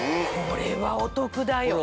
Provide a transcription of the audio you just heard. これはお得だよ。